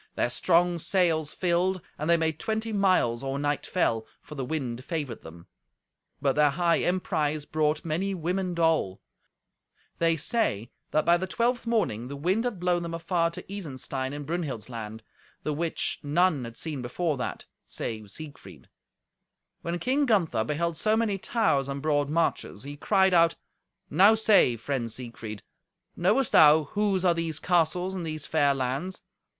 Their strong sails filled, and they made twenty miles or night fell, for the wind favoured them. But their high emprise brought many women dole. They say that by the twelfth morning the wind had blown them afar to Isenstein in Brunhild's land, the which none had seen before that, save Siegfried. When King Gunther beheld so many towers and broad marches, he cried out, "Now say, friend Siegfried; knowest thou whose are these castles and these fair lands?